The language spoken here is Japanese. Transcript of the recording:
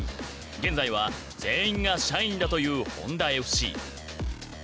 現在は全員が社員だというホンダＦＣ。